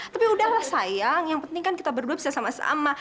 tapi udahlah sayang yang penting kan kita berdua bisa sama sama